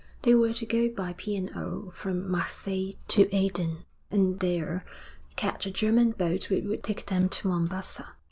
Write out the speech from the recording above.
They were to go by P. & O. from Marseilles to Aden, and there catch a German boat which would take them to Mombassa.